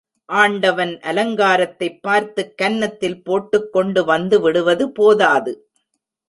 ஆண்டவன் அலங்காரத்தைப் பார்த்துக் கன்னத்தில் போட்டுக் கொண்டு வந்து விடுவது போதாது.